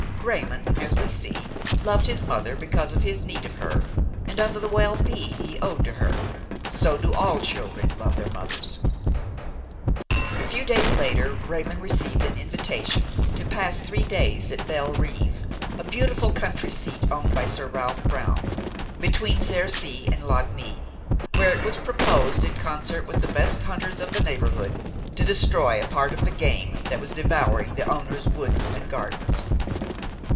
Raymon, as we see, loved his mother because of his need of her and of the well being he owed to her; so do all children love their mothers. A few days later Raymon received an invitation to pass three days at Bellerive, a beautiful country seat owned by Sir Ralph Brown, between Cercy and Lagny, where it was proposed, in concert with the best hunters of the neighborhood, to destroy a part of the game that was devouring the owner's woods and gardens.